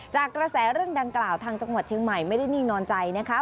จากกระแสเรื่องดังกล่าวทางจังหวัดเชียงใหม่ไม่ได้นิ่งนอนใจนะคะ